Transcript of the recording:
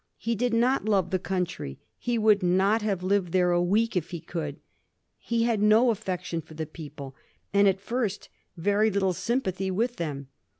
He did not love the country ; he would not have Uved there a week if he could. He had no affection for the people, and, at first, very little sympathy with them.